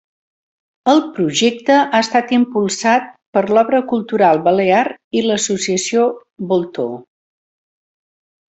El projecte ha estat impulsat per l'Obra Cultural Balear i l'Associació Voltor.